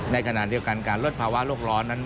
ในขณะเดียวกันการลดภาวะโรคร้อน